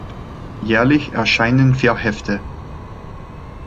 Jährlich erscheinen vier Hefte.